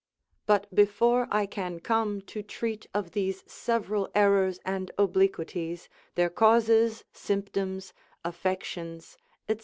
But before I can come to treat of these several errors and obliquities, their causes, symptoms, affections, &c.